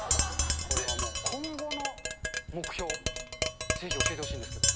今後の目標、ぜひ教えてほしいんですけど。